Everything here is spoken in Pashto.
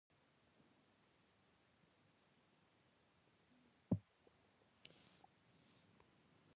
ځمکنی شکل د افغانستان د طبیعي زیرمو یوه ډېره مهمه برخه ده.